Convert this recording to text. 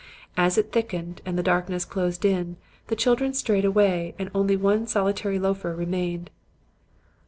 As it thickened and the darkness closed in, the children strayed away and only one solitary loafer remained.